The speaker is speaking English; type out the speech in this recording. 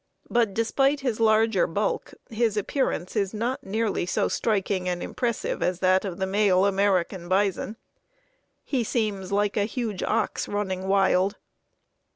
But, despite his larger bulk, his appearance is not nearly so striking and impressive as that of the male American bison. He seems like a huge ox running wild.